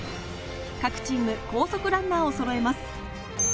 各チーム、高速ランナーをそろえます。